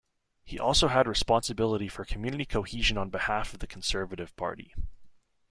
He also had responsibility for community cohesion on behalf of the Conservative Party.